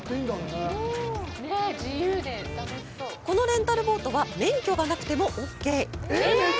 このレンタルボートは免許がなくてもオーケー！